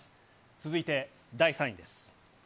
続いて第３位です。